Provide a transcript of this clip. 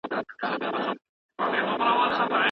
کاروان په خپله لاره کې ډېرې ستونزې لیدلې.